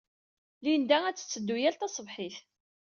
Linda ad tetteddu yal taṣebḥit.